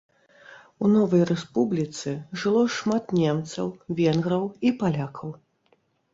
У новай рэспубліцы жыло шмат немцаў, венграў і палякаў.